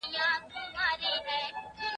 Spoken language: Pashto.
د صفوي سلسلې وروستی پاچا په جګړه کې ووژل شو.